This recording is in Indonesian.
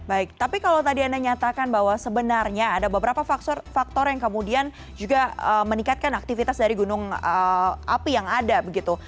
baik tapi kalau tadi anda nyatakan bahwa sebenarnya ada beberapa faktor faktor yang kemudian juga meningkatkan aktivitas dari gunung api yang ada begitu